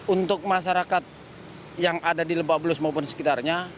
untuk masyarakat yang ada di lebak bulus maupun sekitarnya